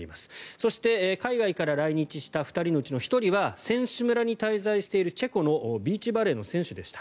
そして、海外から来日した２人のうちの１人は選手村に滞在しているチェコのビーチバレーの選手でした。